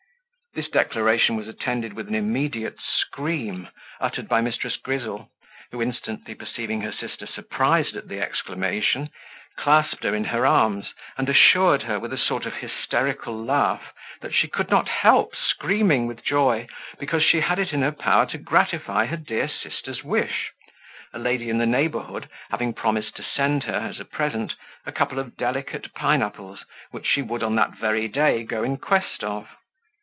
This declaration was attended with an immediate scream, uttered by Mrs. Grizzle, who instantly perceiving her sister surprised at the exclamation, clasped her in her arms, and assured her, with a sort of hysterical laugh, that she could not help screaming with joy, because she had it in her power to gratify her dear sister's wish; a lady in the neighbourhood having promised to send her, as a present, a couple of delicate pine apples, which she would on that very day go in quest of.